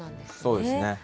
そうですね。